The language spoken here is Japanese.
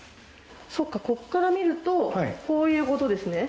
そっかこっから見るとこういうことですね。